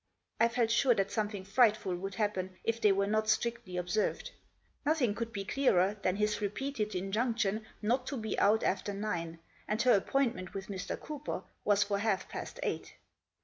I felt sure that something frightful would happen if they were not strictly observed. Nothing could be clearer than his repeated injunction not to be out after nine, and her appointment with Mr. Cooper was for half past eight.